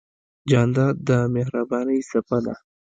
جانداد د مهربانۍ څپه ده.